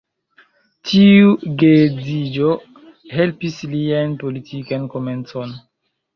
Tiu geedziĝo helpis lian politikan komencon.